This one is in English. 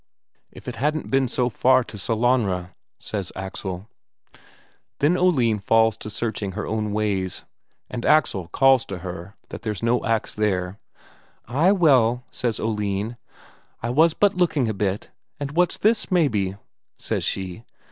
"If it hadn't been so far to Sellanraa," says Axel. Then Oline falls to searching her own ways, and Axel calls to her that there's no ax there. "Ay, well," says Oline, "I was but looking a bit. And what's this, maybe?" says she.